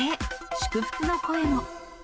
祝福の声も。